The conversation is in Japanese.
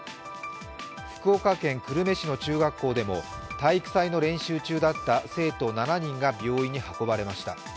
福岡県久留米市の中学校でも、体育祭の練習中だった生徒７人が病院に運ばれました。